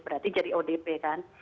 berarti jadi odp kan